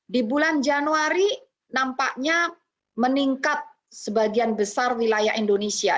di bulan januari nampaknya meningkat sebagian besar wilayah indonesia